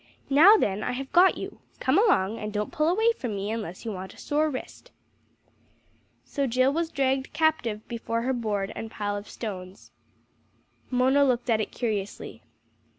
"Now then I have got you. Come along, and don't pull away from me unless you want a sore wrist." So Jill was dragged captive before her board and pile of stones. Mona looked at it curiously.